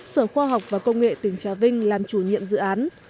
sở khoa học và công nghệ tỉnh trà vinh làm chủ nhiệm dự án